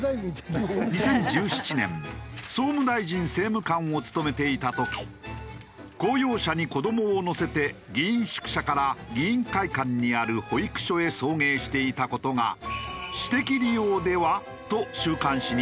２０１７年総務大臣政務官を務めていた時公用車に子どもを乗せて議員宿舎から議員会館にある保育所へ送迎していた事が私的利用では？と週刊誌に報じられた。